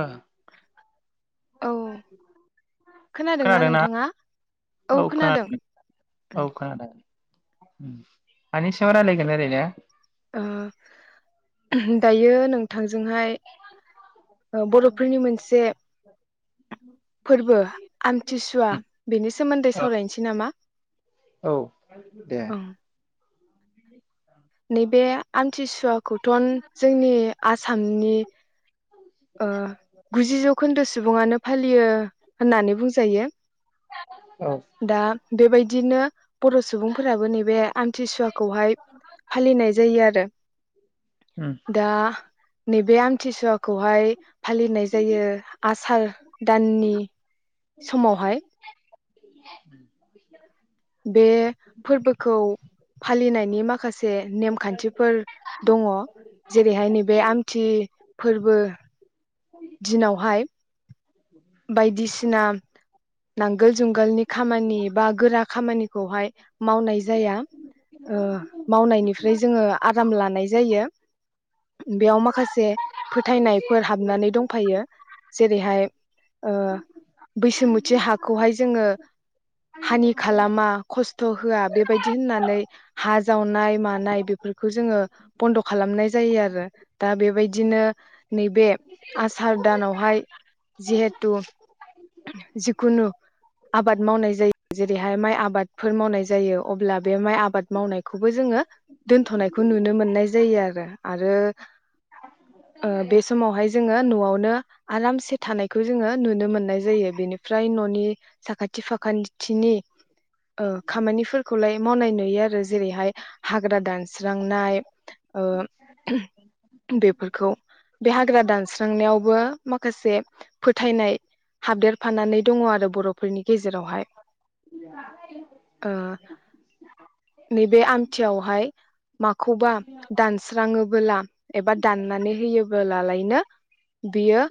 ओ औ [inaudible] खोनादोंना खोनादोना नोंथाङा? औ खोनादों औ खोनादो। मानि सायाव रायलायगोन ओरैनो? ओ दायो नोंथांजोंहाय ओ बर'फोरनि मोनसे फोर्बो आमथिसुवा बेनि सोमोन्दै सावरायनोसै नामा? औ दे। ओं नैबे आन थिसुवाखुद थन जोंनि आसामनि ओ गुजि जौखोन्दो सुबुङानो फालियो होननानै बुंजायो औ दा बेबाय बिदिनो बर' सुबुंफोराबो नैबे आमथिसुवाखौहाय फालिनाय जायो आरो उम दा नैबे आम थिसुवाखौ खौहाय फालिनाय जायो आसार दाननि समावहाय। [unintelligible] बे फोर्बोखौ फालिनायनि माखासे नेमखान्थिफोर दङो जेरैहाय नैबे आमथि फोर्बो दिनावहाय बायदिसिना नांगोल जुंगालनि खामानि बा गोरा खामानिखौहाय मावनाय जाया ओ मावनायनिफ्राय जोङो आराम लानाय जायो बेयाव माखासे फोथायनायफोर हाबनानै दंफायो जेरैहाय ओ बैसोमुथि हाखौहाय जोङो हानि खालामा खस्थ' होआ बेबायदि होननानै हा जावनाय मानाय बेफोरखौ जोङो बन्द' खालामनाय जायो आरो दा बेबायदिनो नैबे आसार दानावहाय जिहे तु जिखुनु आबाद मावनाय जायो जेरैहाय माइ आबादफोर मावनाय जायो अब्ला बे माइ आबाद मावनायखौबो जोङो दोनथ'नायखौ नुनो मोननाय जायो आरो आरो ओ बे समावहाय जोङो नआवनो आरामसे थानायखौ खौ जोङो नुनो मोननाय जायो बेनिफ्राय न'नि साखाथि फाखान्थि थिनि ओ खामानिफोरखौलाय मावनाय नुयो आरो जेरैहाय हाग्रा दानस्रांनाय ओ बेफोरखौ बे हाग्रा दानस्रांनायावबो माखासे फोथायनाय हाबदेरफानानै दङो आरो बर'फोरनि गेजेरावहाय ओ नैबे आमथियावहाय माखौबा दानस्राङोबोला एबा दाननानै होयोबोलालायनो बियो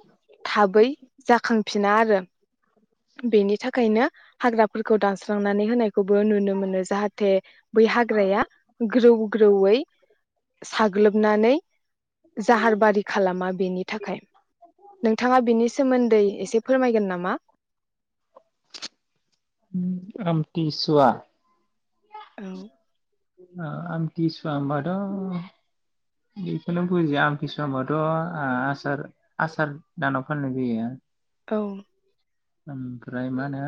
थाबै जाखांफिना आरो बेनि थाखायनो हाग्राफोरखौ दानस्रांनानै होनायखौबो नुनो मोनो जाहाथे बै हाग्राया ग्रौ ग्रौयै साग्लोबनानै जाहार बारि खालामा बेनि थाखाय नोंथाङा बेनि सोमोन्दै एसे फोरमायगोन नामा? आमथिसुवा औ ओ आमथिसुवा होनबाथ' बेखौनो बुजियो आमथिसुव ओ होनबाथ' आसार आसार दानाव फाननाय जायो। औ ओमफ्राय मा होनो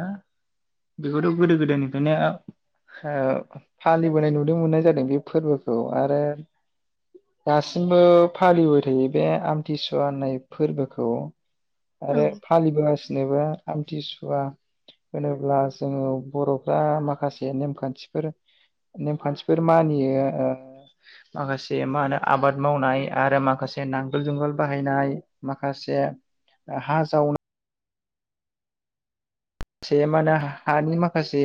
बेखौथ' गोदो गोदायनिफ्रायनो ओ फालिबोनाय नुनो मोननाय जादों बे फोरबोखौ आरो दासिमबो फालिबाय थायो बे आमथिसुवा होननाय फोरबोखौ। औ आरो फालिबोगासिनो जोबा हामथिसुवा होनोब्ला जोङो बर'फ्रा माखासे नेमखान्थि नेमखान्थिफोर मानियो आरो माखासे मा होनो आबाद मावनाय आरो माखासे नांगोल फोरबो बाहायनाय‌हाय आरो माखासे हा जावनाय से मा होनो हानि माखासे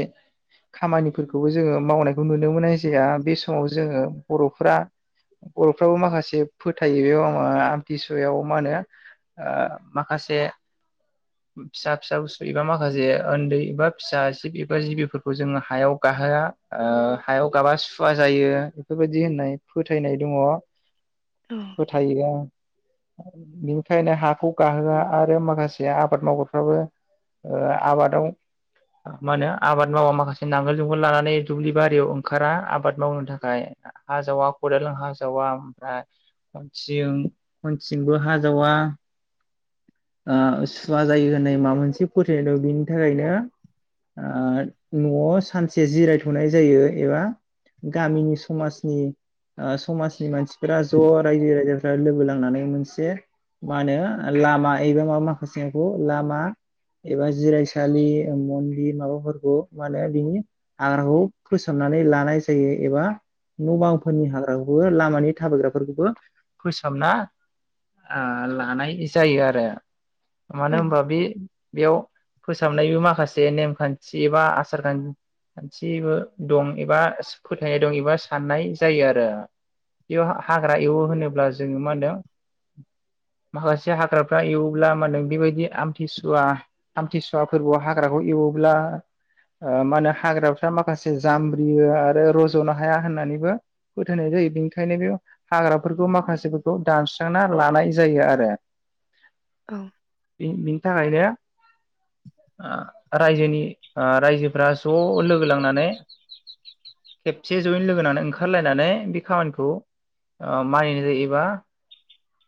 खामानिफोरखौबो जोङो मावनायखौ नुनो मोननाय जाया बे समाव जोङो बर'फ्राफोराबो माखासे फोथायनाय आमथिसुवा याव मा होनो ओ माखासे फिसा फिसा माखासे उन्दैफोरखौ हायाव गाहोआ हायाव गायोब्ला सुवा जायो होनना फोथायनाय दङ। औ फोथायो। बेनिखायनो हाखौ गाहोआ आरो माखासेया आबाद मावग्राफोराबो ओ आबादाव मा होनो मावा माखासे नांगोल माखासे जुंगाल लानानै दुब्लिबारियाव ओंखारा आबाद मावनो थाखाय खदालजों हाजावा उनसिमबो हाजावा ओ सुवा जायो होननाय माबा मोनसे फोथायनाय दं बेनि थाखायनो ओ न'आव सानसे जिरायथ'नाय जायो एबा गामिनि समाजनि मानसिफोरा‌ ज' लोगो नांनानै मा होनो लामा एबा माबा माखासे औ [unintelligible] ब्ला मा होन बेबायदि आमथिसुआ फोरखौ हाग्राखौ एवोला मा‌होनो हाग्राफोरा‌ माखासे जामजायो आरो रजोनो हाया होनना फोथायनाय जायो बेनिखायनो हाग्राखौ दानस्रांना लानाय‌जायो। औ बे बे बिनि थाखायनो ओ रायजोफोरा खोनसेनो ज' लोगो‌नांनानै खामानिखौ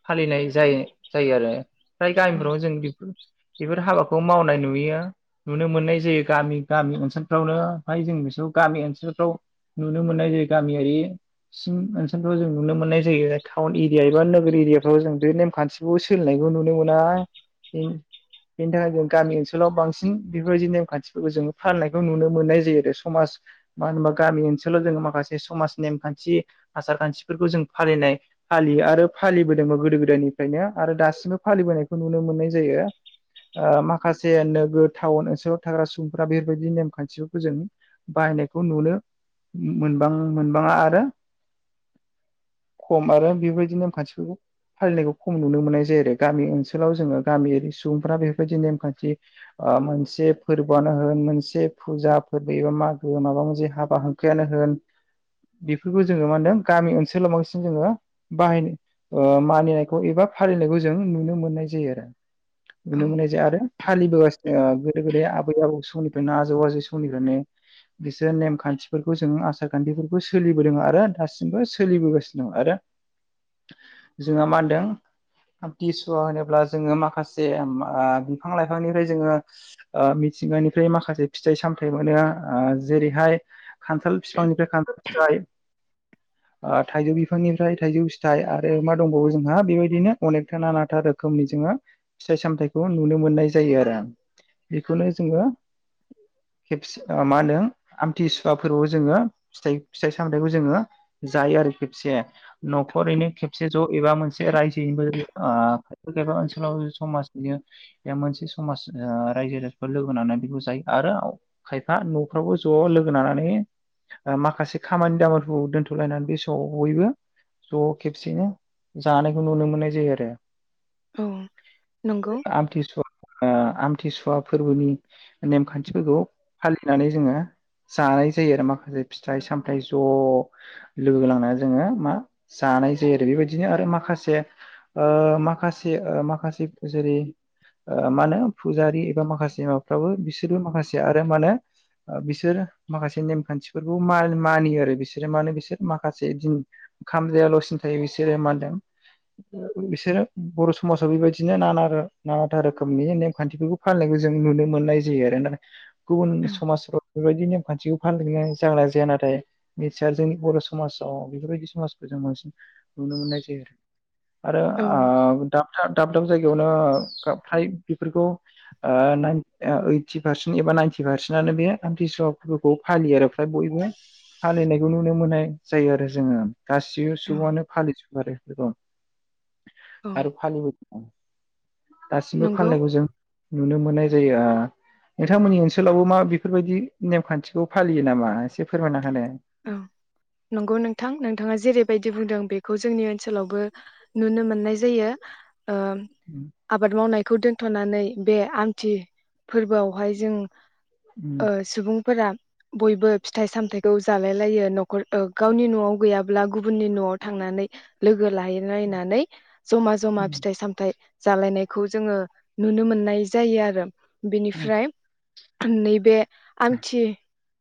फालिनाय जायो। फ्राय गामिफ्रावनो जों बेफोर बेफोर हाबाखौ मावनाय नुयो नुनो मोननाय जायो गामिगामि [unintelligible] बेनि फालिबोनायखौ नुनो मोन्नाय जायो [unintelligible] गामि ओनसोलाव जोङो गामियारि सुबुंफोरा बेफोरबादि नेमखान्थि बा मोनसे फोर्बो होन‌ मोनसे फुजाफोर फैयोब्ला माबा मोनसे हाबा हुखायानो होन बेफोरखौ जों गामि ओनसोलाव मानिनाय एबा‌ फालिनायखौ नुनो मोनो। जों नुनो मोननाय जायो आरो। औ नुनो मोननाय जाया आरो फालिबोगासिनो ओ गोदो गोदाय आबै आबौ समनिफ्रायनो आजै आजौ समनिफ्रायनो आरो जोंहा मा होन्दों आमथिसुवा होनोब्ला जोङो माखासे ओ बिफां लाइफां निफ्राय जोङो बायदिसिना फिथाय‌-सामथाय मोनो। खान्थाल बिफांनिफ्राय खान्थाल जाय ओ थाइजौ बिफांनिफ्राय थाइजौ फिथाइ आरो मा दंबावो जोंहा बेबायदिनो अनेकथा नानाथा रोखोम जोंङो फिथाय सामथाय खौ नुनो मोन्नाय जायो आरो बेखौनो जोंङो आमथिसुवा फोरबोआव जोंङो फिथाइ फिथाइसामथायखौ जोंङो जायो आरो खेबसे नखरैनो खेबसे ज' एबा रायजो बेफोरबायदि खायफा ओनसोलाव समासनि मोनसे समास लोगो नांनानै बेखौ जायो खायफा नफ्रावबो ज' लोगो नांनानै माखासे खामनिखौ दोनथ'लायनानै बयबो ज' खेबसे नुनो मोननाय जायो आरो औ नंगौ आमथिसुवा ओ आमथिसुवा फोरबोनि नेमखान्थिफोरखौ फालिनानै जोंङो से ओ माखासे ओ माखासे जेरै बिसोरो बर समासाव बेबायदिनो नाना रोखोमनि नेमखान्थिखौ जों नुनो मोननाय जायो गुबुन औ समाजफ्राव बेफोरबायदि नेमखान्थिखौ फालिनाय जागोना जाया नाथाय [unintelligible] नुनो मोन्नाय जायो। आरो औ ओ डाकटार दाब दाब जायगायावनो फ्राय बेफोरखौ नाइन इडथि फारसेन एबा नाइनथि फारसेन फालिनायखौ नुनो मोननाय जायो आरो गासिबो औ सुबुंआनो फालिजोबो आरो गोबां औ आरो फालियो दासिमबो नंगौ फालिनायखौ जों नुनो मोननाय जायो नोंथांमोननि ओनसोलावबो मा बेफोरबायदि नेम खान्थिखौ फालियो नामा एसे फोरमायना होदो औ नंगौ नोंथां नोंथाङा जेरैबायदि बुंदों बेखौ जोंनि ओनसोलावबो नुनो मोननाय जायो ओ आबाद मावनाय खौ दोनथ'नानै बे आमथि फोरबोआवहाय जों सुबुंफोरा बयबो फिथाइ सामथाइखौ जालाय लायो न ओ गावनि न'आव गैयाब गुबुननि न'आव थांनानै लोगो लायलायनानै जमा जमा फिथाइ सामथाइ जालायनायखौ जोङो नुनो मोननाय जायो आरो बेनिफ्राय नैबे आमथि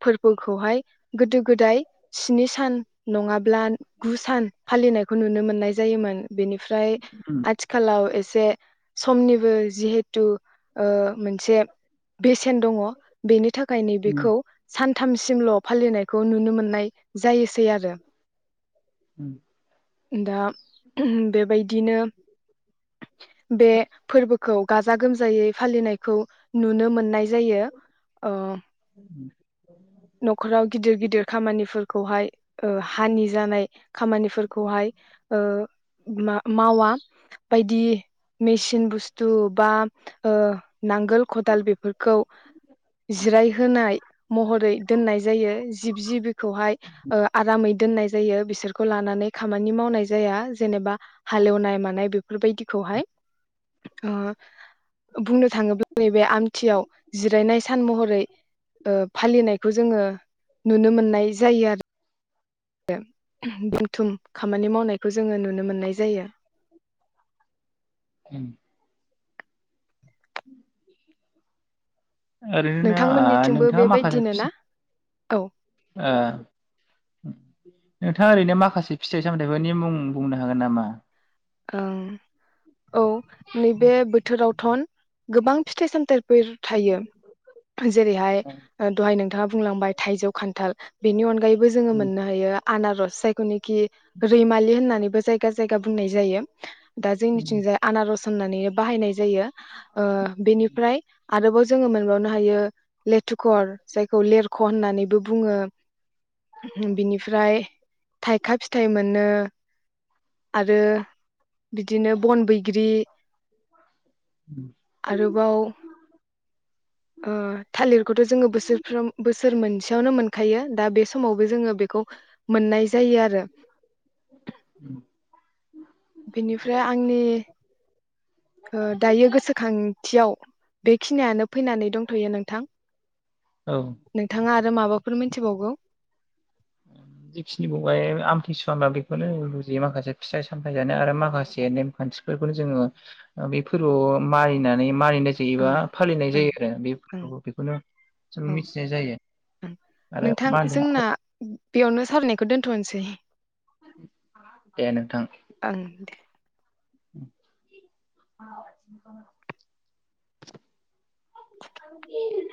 फोरबोखौहाय गोदो गोदाय स्नि सान नङाबा गु सान फालिनायखौ नुनो मोननाय जायोमोन बेनिफ्राय आथिखालाव एसे जे समनिबो जिहेथु ओ-मोनसे बेसेन दङ बेनि थाखाय‌ नै बेखौ सान सानथामसिमल' फालिनाय। खौ नुनो मोननाय जायोसै आरो। ओम दा बेबायदिनो। बे फोरबो। खौ गाजा गोमजायै फालिनायखौ नुनो मोननाय। जायो ओ- नख'राव - गिदिर खामानिफोरखौहाय ओ- हानि जानाय खामानिफोरखौहाय ओ- मा मावा बायदि। मेसिन बुस्थ बस्तु बा ओ-नांगोल खदाल बेफोरखौ जिराय होनाय महरै दोननाय जायो। जिब जिखौहाय ओ-आरामै दोननाय जायो बिसोरखौ लानानै खामानि मावनाय जाया जेनेबा हालेवनाय मानाय बेफोरबायदिखौहाय ओ- बुंनो थाङोब्ला नैबे आमथियाव जिरायनाय सान महरै ओ-फालिनायखौ जोङो नुनो मोननाय जायो आरो। उम दुमथुम खामानि मावनायखौ जोङो नुनो मोननाय जायो। उम उम ओरैनोनो ओ- नोंथांमोननिथिंबो नोंथाङा माखासे बेबायदिनो ना फि- औ ओ- नोंथाङा ओरैनो माखासे फिथाइ सामथायाइफोरनि मुं बुंनो हागोन नामा? ओं औ नैबे बोथोरावथन गोबां फिथाय सामथाय‌। फोर थायो जेरैहाय ओ- दहाय नों थाङा बुंलांबाय थाइजौ खान्थाल बेनि अनगायै। बो जोङो मोननो हायो। आनारस जायखौनोखि रैमालि होननानैबो जायगा जायगा बुंनाय जायो। [inaudible] दा जोंनिथिंजाय आनारस साननानै बाहायनाय जायो ओ- बेनिफ्राय आरोबाव जोङो मोनबावनो हायो लेथुखर जायखौ लेरख' होननानैबो बुङो। बिनिफ्राय थाइखा फिथाइ मोनो। आरो बिदिनो बन बैग्रि आरोबाव ओ- थालिरखौथ' जोङो बोसोरफ्राम बोसोर मोनसेयावनो मोनखायो दा बे सम। समावबो जोङो बेखौ मोननाय जायो आरो। बेनिफ्राय आंनि ओ दायो गोसोखांथियाव बेखिनियानो फैनानै दंथ'यो नोंथां औ नोंथाङा आरो माबाफोर मिथिबावगौ जेखिनि बुंबाय आमथिसुवबा बेखौनो बुजियो माखासे फिथाइ सामथायाइ जानो आरो माखासे नेम खान्थिफोरखौनो जोङो बे फोरबोआव मानिनानै मानिनाय जायोबा ओं फालिनाय ओं जायो आरो बे ओं फोर बेखौनो जों औ मिथिनाय जायो ओं आरो नोंथां जोंना माहोनो बेयावनो सारनायखौ दोनथ'नोसै दे नोंथां ओं [unintelligible] [inaudible]